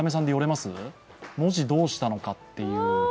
文字どうしたのかという。